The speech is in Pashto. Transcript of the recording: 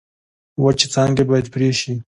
وچې څانګې باید پرې شي.